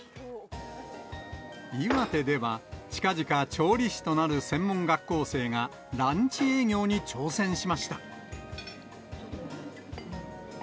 岩手では近々調理師となる専門学校生が、ランチ営業に挑戦しました。